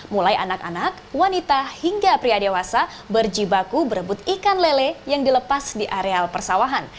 mulai anak anak wanita hingga pria dewasa berjibaku berebut ikan lele yang dilepas di areal persawahan